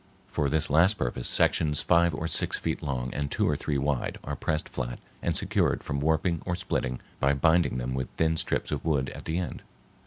For this last purpose sections five or six feet long and two or three wide are pressed flat and secured from warping or splitting by binding them with thin strips of wood at the end.